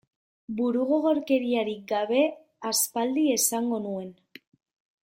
Burugogorkeriarik gabe aspaldi esango nuen.